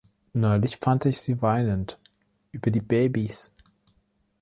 Neulich fand ich sie weinend über die Babys.